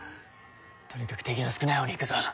とにかく敵の少ないほうに行くぞ。